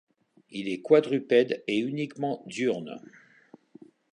Il est quadrupède et uniquement diurne.